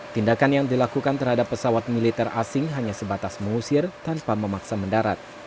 tindakan yang dilakukan terhadap pesawat militer asing hanya sebatas mengusir tanpa memaksa mendarat